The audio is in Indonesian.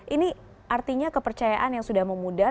ini artinya kepercayaan yang sudah memudar